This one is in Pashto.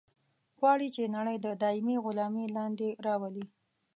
غواړي چې نړۍ د دایمي غلامي لاندې راولي.